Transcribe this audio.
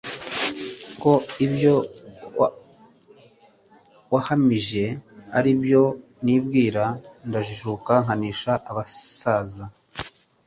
kuko ibyo wahamije aribyo nibwira. Ndajijuka nkanisha abasaza,